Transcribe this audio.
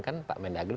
kan pak mendagri